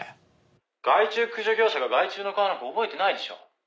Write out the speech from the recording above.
「害虫駆除業者が害虫の顔なんか覚えてないでしょ？」